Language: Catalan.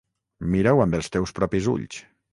Mira-ho amb els teus propis ulls.